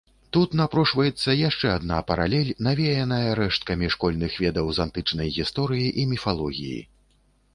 Тут напрошваецца яшчэ адна паралель, навеяная рэшткамі школьных ведаў з антычнай гісторыі і міфалогіі.